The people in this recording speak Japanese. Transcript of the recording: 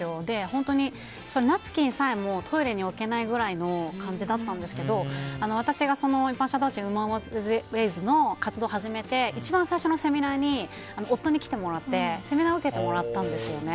本当に、ナプキンさえもトイレに置けないくらいの感じだったんですけど私が活動を始めて一番最初のセミナーに夫に来てもらってセミナーを受けてもらったんですよね。